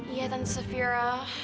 iya tante safira